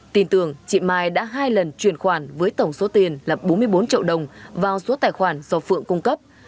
tin tưởng chị mai đã hai lần chuyển khoản với tổng số tiền là bốn mươi bốn triệu đồng vào số tài khoản do phượng cung cấp